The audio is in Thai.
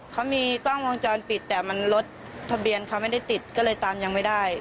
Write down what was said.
เขามีกล้องวงจรปิดแต่มันรถทะเบียนเขาไม่ได้ติดก็เลยตามยังไม่ได้